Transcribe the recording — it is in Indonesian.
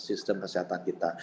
sistem kesehatan kita